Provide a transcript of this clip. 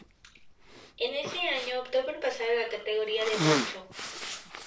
En ese año optó por pasar a la categoría de rancho.